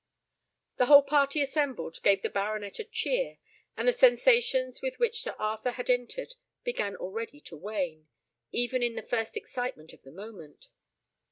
The whole party assembled gave the baronet a cheer, and the sensations with which Sir Arthur had entered began already to wane, even in the first excitement of the moment.